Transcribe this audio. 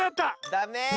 ダメ！